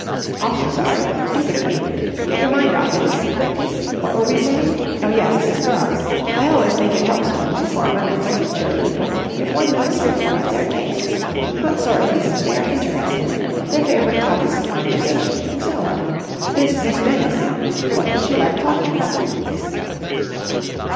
"Awfully sorry. Stupid of me. Get your mind off it again—quick. What were we saying? Oh, yes, this girl. I always think it helps one to form a mental picture of people if one knows something about their tastes—what sort of things they are interested in, their favourite topics of conversation, and so on. This Miss Bennett now, what did she like talking about?"